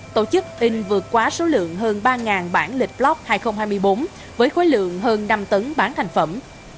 tổ chức in vượt quá số lượng hơn ba bản lịch block hai nghìn hai mươi bốn với khối lượng hơn năm tấn bán thành phẩm